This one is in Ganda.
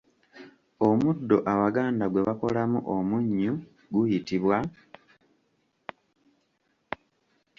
Omuddo Abaganda gwe bakolamu omunnyu guyitibwa?